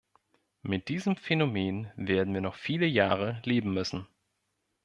Mit diesem Phänomen werden wir noch viele Jahre leben müssen.